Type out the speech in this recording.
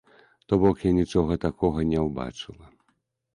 То бок я нічога такога не ўбачыла.